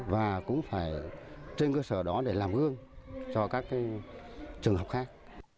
và cũng phải trên cơ sở đó để làm gương cho các trường học khác